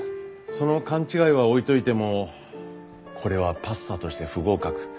その勘違いは置いといてもこれはパスタとして不合格。